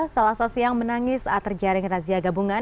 selasa siang menangis saat terjaring razia gabungan